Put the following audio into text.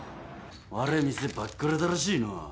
われ店ばっくれたらしいのう。